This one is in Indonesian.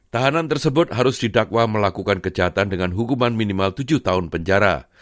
tahanan tersebut harus didakwa melakukan kejahatan dengan hukuman minimal tujuh tahun penjara